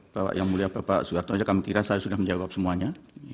bahwa yang mulia bapak soeharto saja kami kira saya sudah menjawab semuanya